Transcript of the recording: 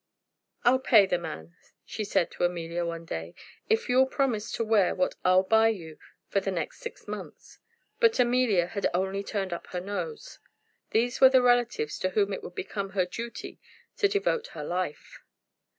"I'll pay the man," she said to Amelia one day, "if you'll promise to wear what I'll buy you for the next six months." But Amelia had only turned up her nose. These were the relatives to whom it would become her duty to devote her life!